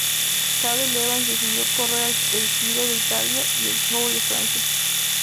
Cadel Evans decidió correr el Giro de Italia y el Tour de Francia.